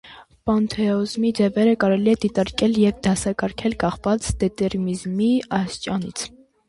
Պանթեիզմի ձևերը կարելի է դիտարկել և դասակարգել կախված դետերմինիզմի աստիճանից։